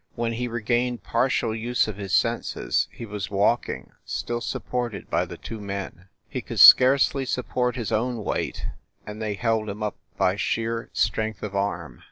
When he regained partial use of his senses he was walking, still supported by the two men. He could scarcely support his own weight, and they held him up by sheer strength of arm.